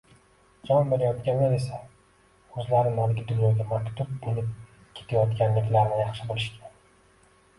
Jon berayotganlar esa o’zlari narigi dunyoga maktub bo’lib ketayotganliklarini yaxshi bilishgan…